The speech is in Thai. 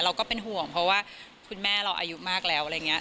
ก็เป็นห่วงเพราะว่าคุณแม่เราอายุมากแล้วอะไรอย่างนี้